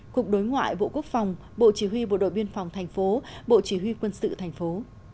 cục đối ngoại bộ quốc phòng bộ chỉ huy bộ đội biên phòng thành phố bộ chỉ huy quân sự thành phố